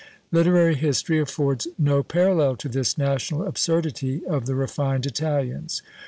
Literary history affords no parallel to this national absurdity of the refined Italians.